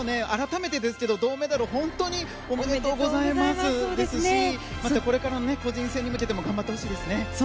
改めてですけど銅メダル本当におめでとうございますですしまたこれからの個人戦に向けても頑張ってほしいですね。